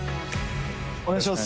お願いします。